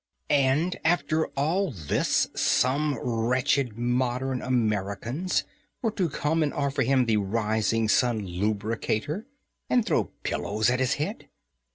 And after all this some wretched modern Americans were to come and offer him the Rising Sun Lubricator, and throw pillows at his head!